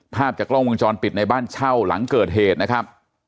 ภาพจากกล้องวงจรปิดในบ้านเช่าหลังเกิดเหตุนะครับ